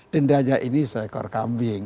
denda aja ini seekor kambing